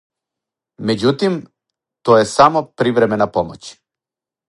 Међутим, то је само привремена помоћ.